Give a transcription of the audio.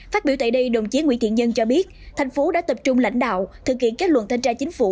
phát biểu tại đây đồng chí nguyễn thiện nhân cho biết thành phố đã tập trung lãnh đạo thực hiện kết luận thanh tra chính phủ